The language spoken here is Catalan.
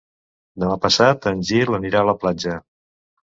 Demà passat en Gil anirà a la platja.